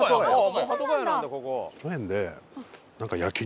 もう鳩谷なんだここ。